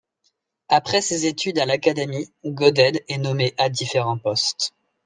Après ses études à l'académie, Goded est nommé à différents postes.